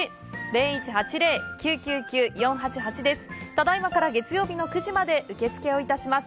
ただいまから月曜日の９時まで受付をいたします。